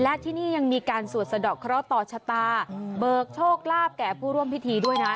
และที่นี่ยังมีการสวดสะดอกเคราะห์ต่อชะตาเบิกโชคลาภแก่ผู้ร่วมพิธีด้วยนะ